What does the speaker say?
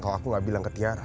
kalau aku gak bilang ke tiara